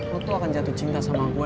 lo tuh akan jatuh cinta sama gue